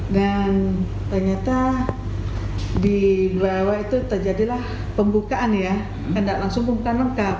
dan ternyata di bawah itu terjadilah pembukaan ya karena langsung bukan lengkap